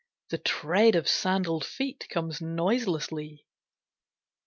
The tread of sandalled feet comes noiselessly.